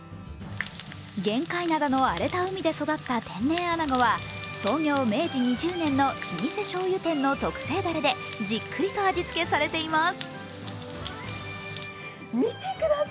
玄界灘の荒れた海で育った天然あなごは、創業、明治２０年の老舗しょうゆ店の特製だれでじっくりと味付けされています。